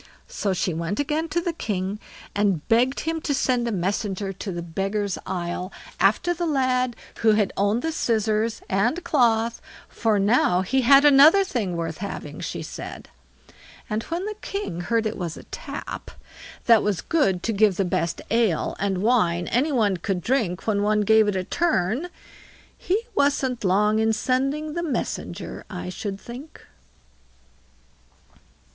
So she went again to the king, and begged him to send a messenger to the Beggars' Isle after the lad who had owned the scissors and cloth, for now he had another thing worth having, she said; and when the king heard it was a tap, that was good to give the best ale and wine any one could drink, when one gave it a turn, he wasn't long in sending the messenger, I should think.